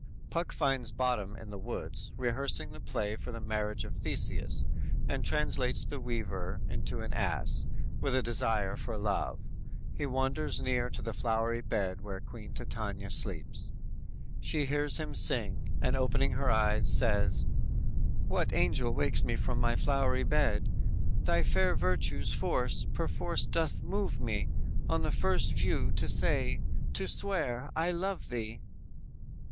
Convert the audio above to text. "_ Puck finds Bottom in the woods, rehearsing the play for the marriage of Theseus, and translates the weaver into an ass, with a desire for love. He wanders near the flowery bed where Queen Titania sleeps. She hears him sing, and opening her eyes, says: _"What angel wakes me from my flowery bed? Thy fair virtue's force perforce doth move me, On the first view, to say, to swear, I love thee!"